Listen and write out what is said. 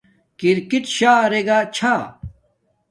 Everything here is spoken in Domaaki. کرکِٹ شݳ رݵگݳ چھݳ.